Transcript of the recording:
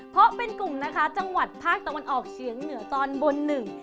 เพราะเป็นกลุ่มนะคะจังหวัดภาคตะวันออกเฉียงเหนือตอนบนหนึ่ง